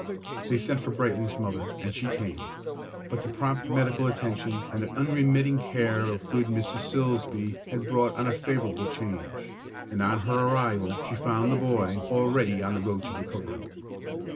They sent for Brightly's mother, and she came; but the prompt medical attention and the unremitting care of good Mrs. Silsbee had brought on a favorable change, and on her arrival she found her boy already on the road to recovery.